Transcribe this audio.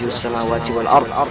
sekarang rasakan tenaga dalamku